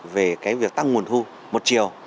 về cái việc tăng nguồn thu một chiều